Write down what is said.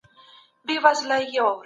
پښتو ژبه د ډېرو لرغونو ژبو موره ده